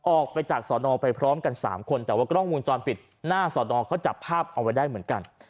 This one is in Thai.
ออกไปจากสอนอไปพร้อมกัน๓คนแต่ว่ากล้องวงจรปิดหน้าสอนอเขาจับภาพเอาไว้ได้เหมือนกัน